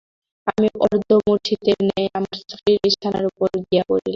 আমি অর্ধমূর্ছিতের ন্যায় আমার স্ত্রীর বিছানার উপর গিয়া পড়িলাম।